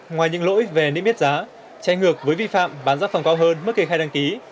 ngoài những lỗi về niêm yết giá trái ngược với vi phạm bán giá phòng cao hơn mức kể khai đăng ký